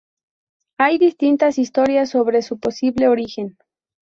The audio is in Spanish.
Hay distintas historias sobre su posible origen.